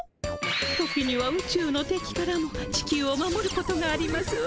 時には宇宙の敵からも地球を守ることがありますわ。